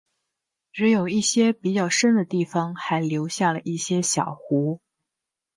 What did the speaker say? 只有一些比较深的地方还留下了一些小湖。